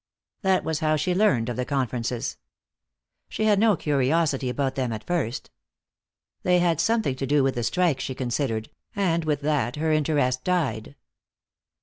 That was how she learned of the conferences. She had no curiosity about them at first. They had something to do with the strike, she considered, and with that her interest died.